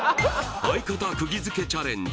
相方釘付けチャレンジ